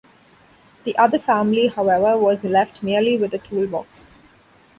The other family however was left merely with a toolbox.